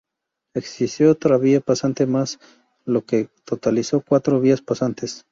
Existe otra vía pasante más, lo que totaliza cuatro vías pasantes.